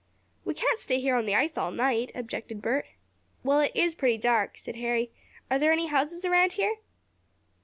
"We can't stay here on the ice all night," objected Bert. "Well, it is pretty dark," said Harry. "Are there any houses around here?"